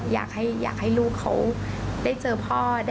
อยากให้พ่ออยากให้ลูกเขาได้เจอพ่อ